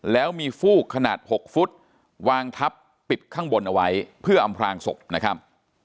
แล้วมีฟูกขนาด๖ฟุตวางทับปิดข้างบนเอาไว้เพื่ออำพลางศพนะครับ